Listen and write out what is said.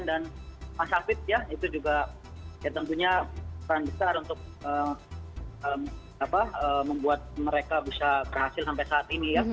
dan mas syafid ya itu juga ya tentunya sangat besar untuk membuat mereka bisa berhasil sampai saat ini ya